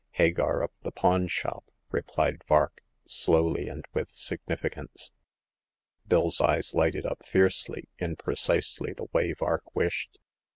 " Hagar of the Pawn shop," replied Vark, slowly and with significance. Bill's eyes lighted up fiercely, in precisely the way Vark wished.